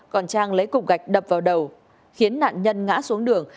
còn trang lấy cục gạch đập vào đầu khiến nạn nhân ngã xuống đường